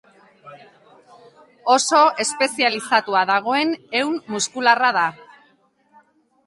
Oso espezializatuta dagoen ehun muskularra da.